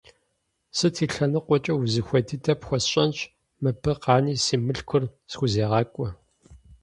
Сыт и лъэныкъуэкӀи узыхуей дыдэр пхуэсщӀэнщ, мыбы къани си мылъкур схузегъакӀуэ.